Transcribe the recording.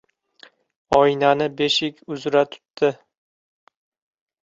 Oynani beshik uzra tutdi.